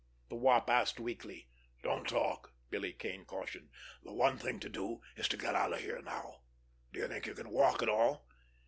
the Wop asked weakly. "Don't talk!" Billy Kane cautioned. "The one thing to do is to get out of here now. Do you think you can walk at all?"